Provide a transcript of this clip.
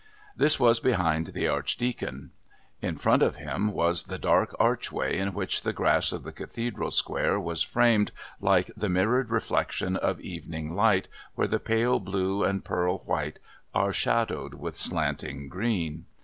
This was behind the Archdeacon; in front of him was the dark archway in which the grass of the Cathedral square was framed like the mirrored reflection of evening light where the pale blue and pearl white are shadowed with slanting green.